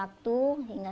atau milik armada